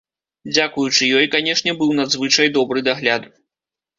Дзякуючы ёй, канешне, быў надзвычай добры дагляд.